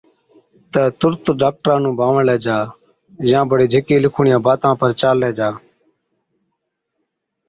تہ تُرت ڊاڪٽرا نُون بانوڻلَي جا يان بڙي جھِڪي لِکوڙِيان باتان پر چاللَي جا۔